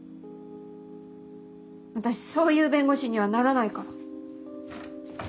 私そういう弁護士にはならないから。